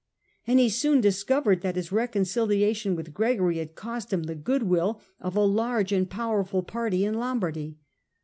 And he soon discovered that his reconciliation with Gregory had cost him the good will of a large and powerful party in Lombardy.